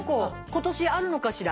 今年あるのかしら？